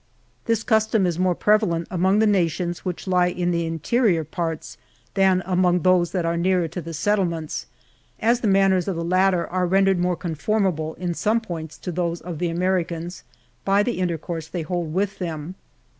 This custom is more prevalent among the nations, which lie in the interior parts, than among those that are nearer the LEWIS AND CLARKE. 93 settlements, as the manners of the latter are rendered more conformable, in some points to those of the Americans, by the intercourse they hold with them.